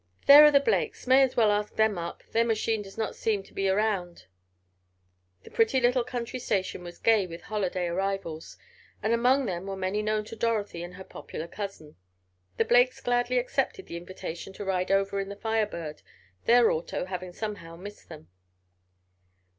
"There are the Blakes. May as well ask them up; their machine does not seem to be around." The pretty little country station was gay with holiday arrivals, and among them were many known to Dorothy and her popular cousin. The Blakes gladly accepted the invitation to ride over in the Fire Bird, their auto having somehow missed them.